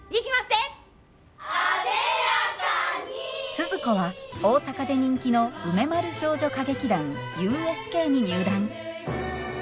スズ子は大阪で人気の梅丸少女歌劇団ＵＳＫに入団。